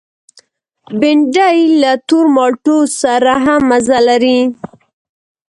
بېنډۍ له تور مالټو سره هم مزه لري